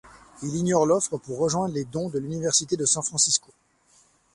Il ignore l'offre pour rejoindre les Dons de l'université de San Francisco.